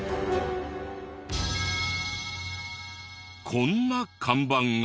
こんな看板が。